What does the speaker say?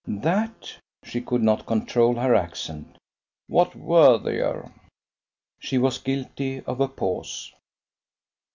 "That?" she could not control her accent. "What worthier?" She was guilty of a pause.